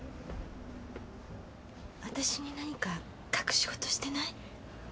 あたしに何か隠し事してない？